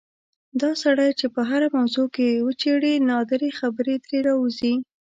دا سړی چې په هره موضوع کې وچېړې نادرې خبرې ترې راوځي.